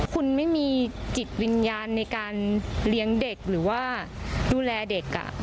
คุณไม่มีจิตวิญญาณในการเลี้ยงเด็กหรือว่าดูแลเด็ก